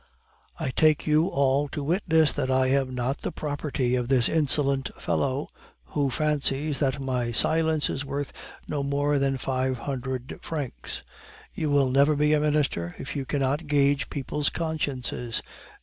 "I take you all to witness that I am not the property of this insolent fellow, who fancies that my silence is worth no more than five hundred francs. You will never be a minister if you cannot gauge people's consciences.